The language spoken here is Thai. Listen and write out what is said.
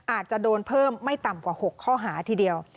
อาจจะโดนเพิ่มไม่ต่ำกว่า๖ข้อหาทีเดียว